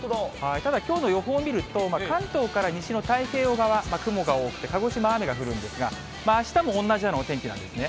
ただ、きょうの予報を見ると、関東から西の太平洋側、雲が多くて、鹿児島は雨が降るんですが、あしたも同じようなお天気なんですね。